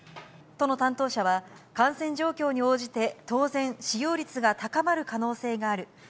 都の担当者は、感染状況に応じて、当然、使用率が高まる可能性がある。